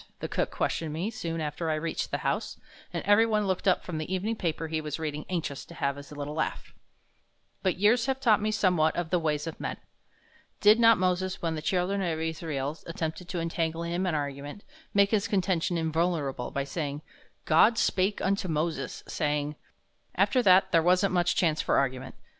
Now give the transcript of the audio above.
the cook questioned me soon after I reached the house, and every one looked up from the evening paper he was reading anxious to have his little laugh. But years have taught me somewhat of the ways of men. Did not Moses, when the children of Israel attempted to entangle him in argument, make his contention invulnerable by stating, "God spake unto Moses, saying, " After that there wasn't much chance for argument.